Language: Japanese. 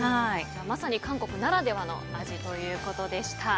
まさに韓国ならではの味ということでした。